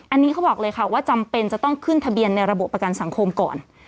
อันนี้เขาบอกเลยค่ะว่าจำเป็นจะต้องขึ้นทะเบียนในระบบประกันสังคมก่อน